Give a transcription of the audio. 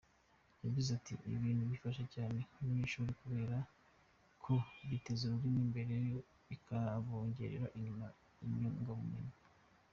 Yagize ati “Ibi bintu bifasha cyane abanyeshuri kubera ko biteza ururimi imbere, bikabongerera inyunguramagambo.